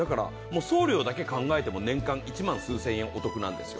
送料だけ考えても年間１万数千円お得なんですよ。